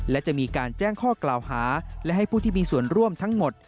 และจะมีการแจ้งข้อกล่าวหาและให้ผู้ที่มีส่วนร่วมทั้งหมด